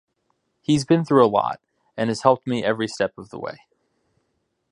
He's been through a lot and has helped me every step of the way.